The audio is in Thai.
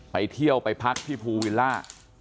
ไปเที่ยวไปพักที่ภูวิลล่า